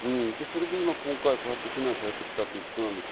それで今回避難されてきた。